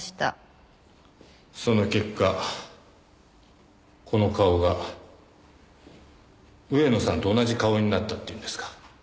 その結果この顔が上野さんと同じ顔になったっていうんですか？